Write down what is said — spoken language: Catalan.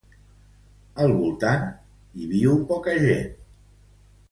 Al voltant de Sierra Peña Nevada hi viu poca gent.